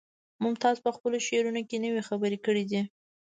ممتاز په خپلو شعرونو کې نوې خبرې کړي دي